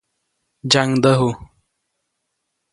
Ntsyaŋdäju.